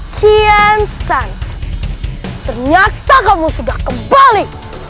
kian san ternyata kamu sudah kembali